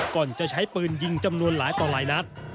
ก่อนจะใช้ปืนยิงจำนวนหลายต่อหลายนัด